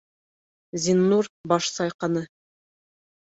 Зиннур баш сайҡаны.